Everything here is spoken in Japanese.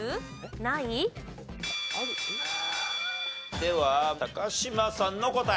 では嶋さんの答え。